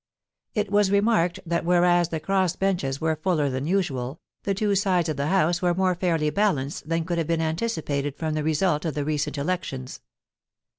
It was remarked that whereas the cross benches were fuller than usual, the two sides of the House were more fairly balanced than could have been anti cipated from the result of the recent elections.